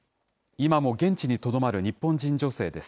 今も現地にとどまる日本人女性です。